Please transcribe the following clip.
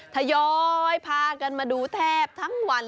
ทยอยพากันมาดูแทบทั้งวัน